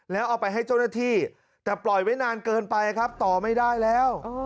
แล้วเอาไปให้เจ้าหน้าที่แต่ปล่อยไว้นานเกินไปครับต่อไม่ได้แล้ว